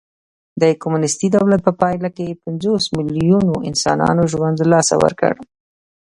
د کمونېستي دولت په پایله کې پنځوس میلیونو انسانانو ژوند له لاسه ورکړ